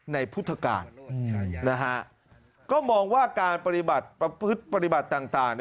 ในพุทธกาลก็มองว่าการปฏิบัติประพฤติปฏิบัติต่าง